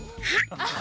あっ！